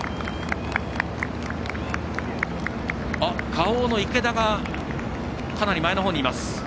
Ｋａｏの池田がかなり前の方にいます。